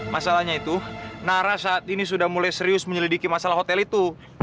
masalahnya itu nara saat ini sudah mulai serius menyelidiki masalah hotel itu